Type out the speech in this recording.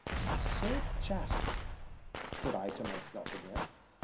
"Sir Jasper!" said I to myself again.